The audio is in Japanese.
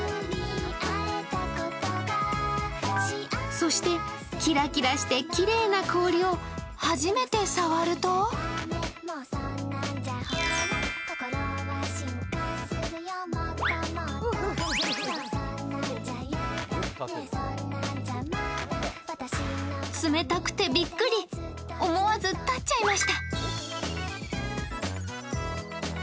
そして、キラキラしてきれいな氷を初めて触ると冷たくてビックリ、思わず立っちゃいました。